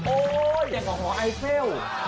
โอ้อย่างของห่อไอเซล